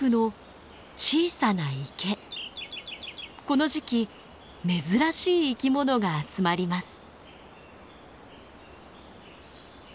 この時期珍しい生き物が集まります。